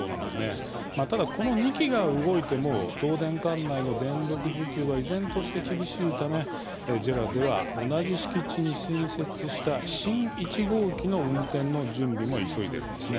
まあただこの２基が動いても東電管内の電力需給は依然として厳しいためＪＥＲＡでは同じ敷地に新設した新１号機の運転の準備も急いでるんですね。